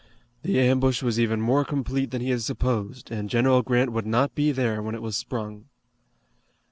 The ambush was even more complete than he had supposed, and General Grant would not be there when it was sprung.